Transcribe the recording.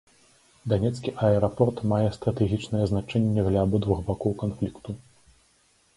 Данецкі аэрапорт мае стратэгічнае значэнне для абодвух бакоў канфлікту.